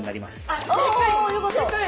あっ正解！